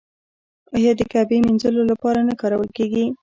آیا د کعبې مینځلو لپاره نه کارول کیږي؟